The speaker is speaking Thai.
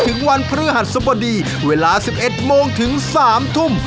ถึงวันพฤหัสบดีเวลาสิบเอ็ดโมงถึงสามทุ่ม